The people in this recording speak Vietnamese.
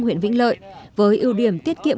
huyện vĩnh lợi với ưu điểm tiết kiệm